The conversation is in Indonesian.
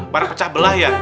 para pecah belah ya